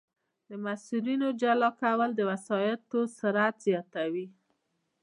د مسیرونو جلا کول د وسایطو سرعت زیاتوي